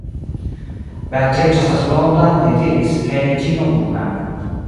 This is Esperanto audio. Beatrico estas blonda, li diris, kaj Reĝino bruna.